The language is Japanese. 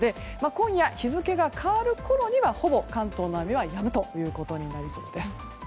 今夜、日付が変わるころにはほぼ関東の雨はやむことになりそうです。